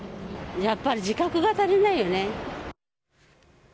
やっぱり自覚が足りないよね。